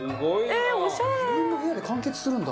自分の部屋で完結するんだ。